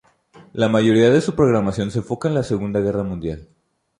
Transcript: La mayoría de su programación se enfoca en la Segunda Guerra Mundial.